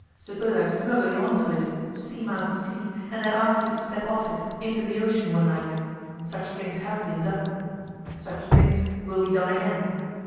Suppose I smuggle you on to it, steam out to sea, and then ask you to step off it into the ocean one night. Such things have been done. Such things will be done again.